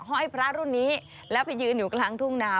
ห้อยพระรุ่นนี้แล้วไปยืนอยู่กลางทุ่งนา